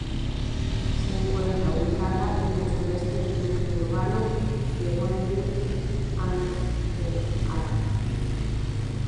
Se encuentra ubicada en el sureste del núcleo urbano de Wangen an der Aare.